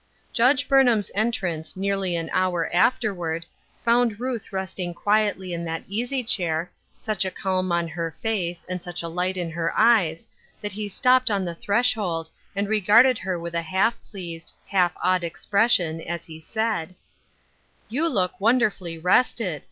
Judge Burnham's entrance, nearly an hour afterward, found Ruth resting quietly in that easy chair, such a calm on her face, and such a light in her eyes, that he stopped on the thresh old, and regarded her witli a half pleased, half awed expression, as he said :*' You look wonderfully rested